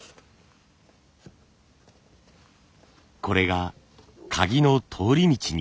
これが鍵の通り道に。